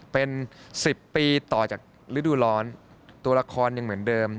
เป็น๑๐ปีต่อจากฤดูร้อนตัวละครยังเหมือนเดิม